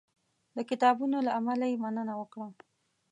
د کتابونو له امله یې مننه وکړه.